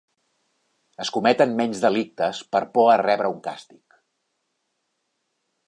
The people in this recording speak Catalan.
Es cometen menys delictes per por a rebre un càstig.